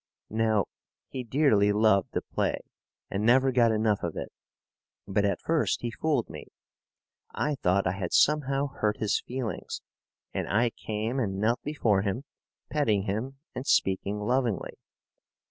Now, he dearly loved the play, and never got enough of it. But at first he fooled me. I thought I had somehow hurt his feelings and I came and knelt before him, petting him, and speaking lovingly.